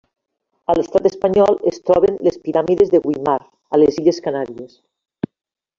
A l'Estat espanyol es troben les Piràmides de Güímar, a les illes Canàries.